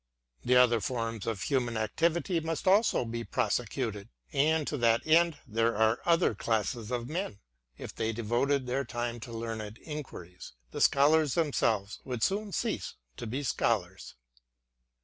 i)l the other forms of human activity must also be prosecuted, and to that end there are other classes of men; if they devoted their time to learned inquiries, the Scholars them selves would soon cease to be Scholars.